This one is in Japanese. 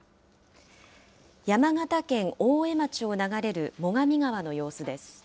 山形県大江町を流れる最上川の様子です。